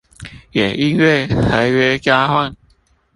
也因為合約交換